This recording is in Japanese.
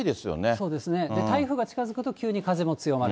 そうですね、台風が近づくと急に風も強まる。